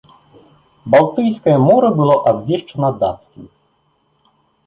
Балтыйскае мора было абвешчана дацкім.